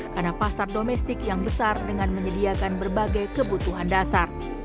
karena pasar domestik yang besar dengan menyediakan berbagai kebutuhan dasar